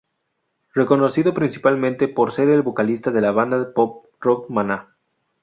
Reconocido principalmente por ser el vocalista de la banda de pop rock Maná.